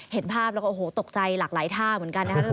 เห็นภาพแล้วก็โอ้โหตกใจหลากหลายท่าเหมือนกันนะครับ